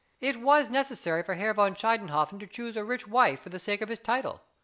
It was necessary for Herr von Schiedenhofen to choose a rich wife for the sake of his title.